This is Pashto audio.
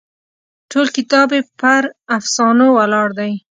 ټول کتاب یې پر افسانو ولاړ دی.